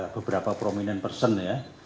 beberapa prominent person ya